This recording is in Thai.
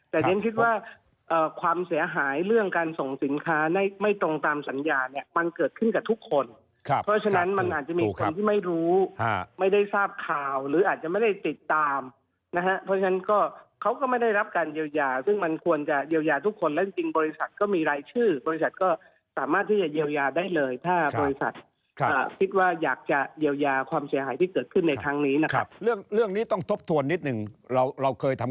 แต่ฉันคิดว่าความเสียหายเรื่องการส่งสินค้าไม่ตรงตามสัญญาเนี่ยมันเกิดขึ้นกับทุกคนเพราะฉะนั้นมันอาจจะมีคนที่ไม่รู้ไม่ได้ทราบข่าวหรืออาจจะไม่ได้ติดตามนะครับเพราะฉะนั้นก็เขาก็ไม่ได้รับการเยียวยาซึ่งมันควรจะเยียวยาทุกคนและจริงบริษัทก็มีรายชื่อบริษัทก็สามารถที่จะเยียวยา